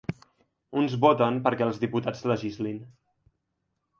Uns voten perquè els diputats legislin.